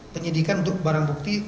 penyelidikan untuk barang bukti